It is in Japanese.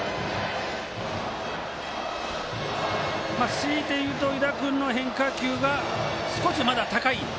強いて言うと湯田君の変化球が少し、まだ高い。